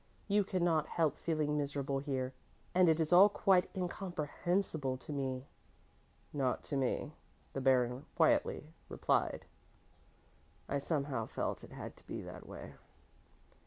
You cannot help feeling miserable here, and it is all quite incomprehensible to me." "Not to me," the Baron quietly replied; "I somehow felt it had to be that way.